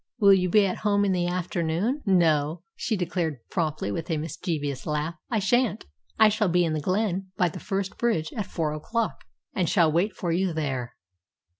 Will you be at home in the afternoon?" "No," she declared promptly, with a mischievous laugh, "I shan't. I shall be in the glen by the first bridge at four o'clock, and shall wait for you there."